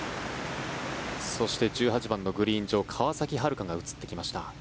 そして、１８番のグリーン上川崎春花が映ってきました。